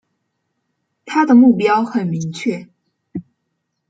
他的目标很明确